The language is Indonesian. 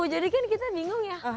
jadi kan kita bingung ya